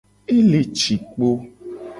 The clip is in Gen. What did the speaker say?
Ele ci kpo.